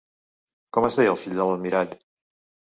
Com es deia el fill de l'almirall?